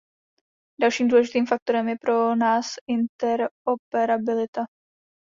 Dalším důležitým faktorem je pro nás interoperabilita.